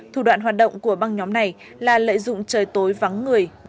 thủ đoạn hoạt động của băng nhóm này là lợi dụng trời tối vắng người